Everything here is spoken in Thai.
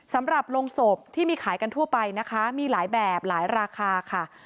สำหรับโรงศพที่มีขายกันทั่วไปนะคะมีหลายแบบหลายราคาค่ะ